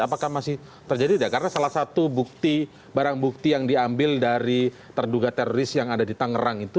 apakah masih terjadi karena salah satu bukti barang bukti yang diambil dari terduga teroris yang ada di tangerang itu